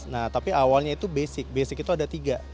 nah tapi awalnya itu basic basic itu ada tiga